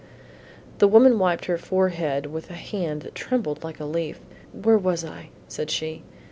The woman wiped her forehead with a hand that trembled like a leaf. "Where was I?" said she.